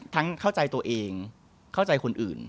เข้าใจตัวเองเข้าใจคนอื่น